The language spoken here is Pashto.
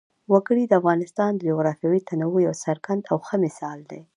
وګړي د افغانستان د جغرافیوي تنوع یو څرګند او ښه مثال دی.